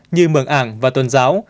như mường ảng và tuần giáo